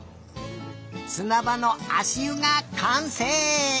すなばのあしゆがかんせい！